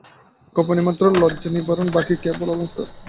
কৌপীনমাত্রেই লজ্জানিবারণ, বাকী কেবল অলঙ্কার।